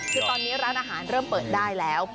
คือตอนนี้ร้านอาหารเริ่มเปิดได้แล้ว